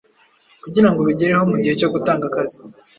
kugirango ubigereho mugihe cyo gutanga akazi